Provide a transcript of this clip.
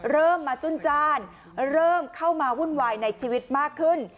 เริ่มมาจุ้นจ้านเริ่มเข้ามาวุ่นวายในชีวิตมากขึ้น